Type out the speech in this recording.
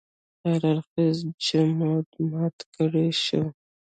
هر اړخیز جمود مات کړای شو.